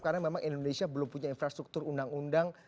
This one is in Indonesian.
karena memang indonesia belum punya infrastruktur undang undang